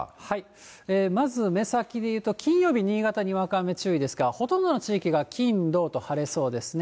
まず、目先でいうと金曜日、新潟にわか雨注意ですが、ほとんどの地域は金、土と晴れそうですね。